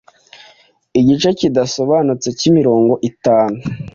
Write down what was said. Igice kidasobanutse cyimirongo itanu